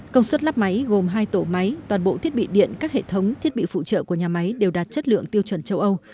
công suất lắp máy gồm hai tổ máy toàn bộ thiết bị điện các hệ thống thiết bị phụ trợ của nhà máy đều đạt chất lượng tiêu chuẩn châu âu